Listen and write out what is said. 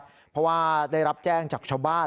เพราะว่าได้รับแจ้งจากชาวบ้าน